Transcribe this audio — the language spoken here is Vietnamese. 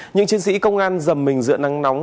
những chiến sĩ công an dầm mình giữa nắng nóng